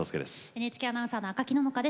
ＮＨＫアナウンサーの赤木野々花です。